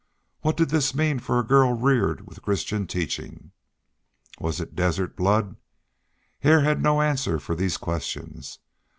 What did this mean for a girl reared with Christian teaching? Was it desert blood? Hare had no answers for these questions.